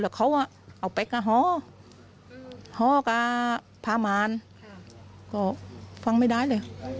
ครั้งนี้เขาอาปัสนี่ไหลออะหอกะปากมาล